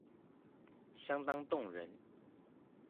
相當動人